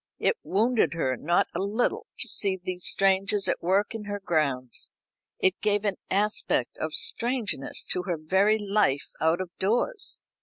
It wounded her not a little to see these strangers at work in her grounds. It gave an aspect of strangeness to her very life out of doors.